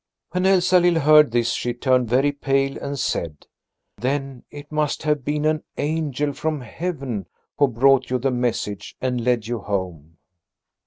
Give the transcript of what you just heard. When Elsalill heard this she turned very pale and said: "Then it must have been an angel from heaven who brought you the message and led you home."